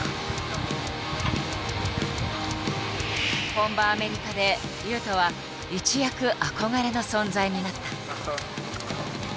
本場アメリカで雄斗は一躍憧れの存在になった。